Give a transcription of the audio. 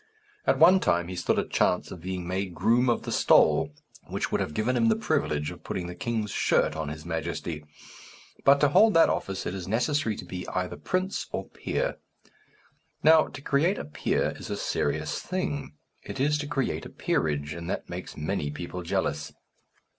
At one time he stood a chance of being made groom of the stole, which would have given him the privilege of putting the king's shirt on his Majesty: but to hold that office it was necessary to be either prince or peer. Now, to create a peer is a serious thing; it is to create a peerage, and that makes many people jealous.